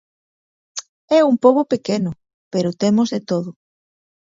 É un pobo pequeno pero temos de todo.